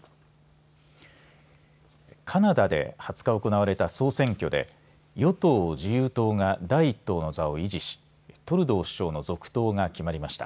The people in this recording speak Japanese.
カナダで２０日行われた総選挙で与党・自由党が第一党の座を維持しトルドー首相の続投が決まりました。